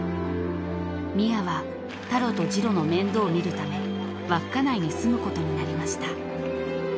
［宮はタロとジロの面倒を見るため稚内に住むことになりました］